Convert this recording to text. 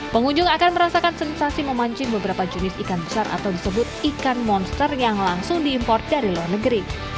pengunjung akan merasakan sensasi memancing beberapa jenis ikan besar atau disebut ikan monster yang langsung diimpor dari luar negeri